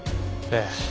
ええ。